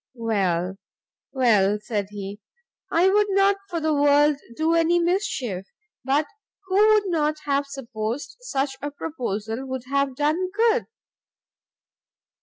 "Well, well," said he, "I would not for the world do any mischief, but who would not have supposed such a proposal would have done good?"